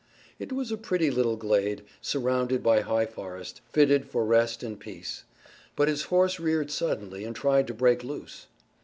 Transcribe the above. It was a pretty little glade, surrounded by high forest, fitted for rest and peace, but his horse reared suddenly and tried to break loose.